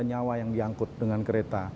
nyawa yang diangkut dengan kereta